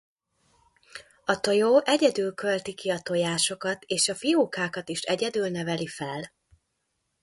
A tojó egyedül költi ki a tojásokat és a fiókákat is egyedül neveli fel.